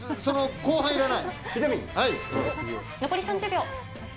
残り３０秒。